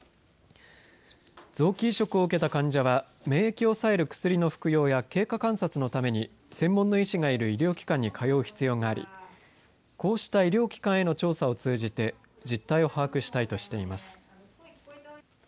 臓器移植を受けた患者は免疫を抑える薬の服用や経過観察のために専門の医師がいる医療機関に通う必要がありこうした医療機関への調査を通じて事態を把握したいとしています。